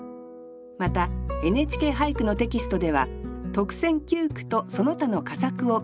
また「ＮＨＫ俳句」のテキストでは特選九句とその他の佳作を掲載します。